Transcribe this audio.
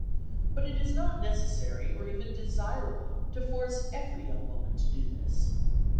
But it is not necessary, or even desirable, to force every young woman to do this.